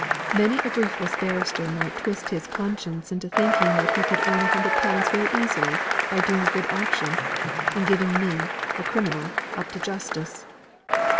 Many a briefless barrister might twist his conscience into thinking, that he could earn a hundred pounds very easily by doing a good action in giving me, a criminal up to justice."